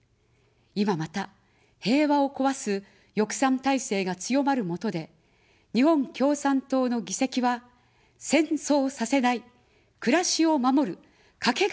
いままた、平和を壊す翼賛体制が強まるもとで、日本共産党の議席は、戦争させない、暮らしを守る、かけがえのない力です。